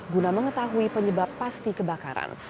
guna mengetahui penyebab pasti kebakaran